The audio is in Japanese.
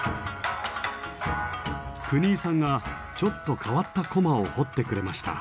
國井さんがちょっと変わった駒を彫ってくれました。